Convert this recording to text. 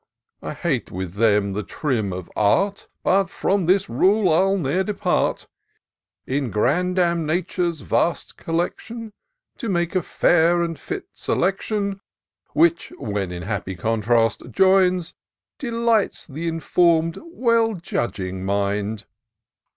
I hate with them the trim of Art ; But from this rule I'll ne'er depart, — In grandame Nature's vast collection. To make a &ir and fit selection, Which, when in happy contrast join'd, Delights th' inform'd, well judging mind."